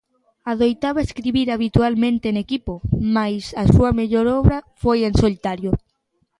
Adoitaba escribir habitualmente en equipo, mais a súa mellor obra foi en solitario.